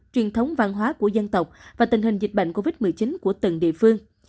truyền thống văn hóa của dân tộc và tình hình dịch bệnh covid một mươi chín của từng địa phương